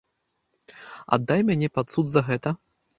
Аддай мяне пад суд за гэта!